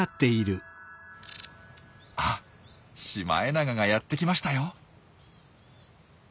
あシマエナガがやってきましたよ。